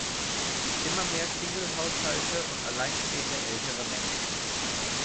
Es gibt immer mehr Single-Haushalte und alleinstehende ältere Menschen.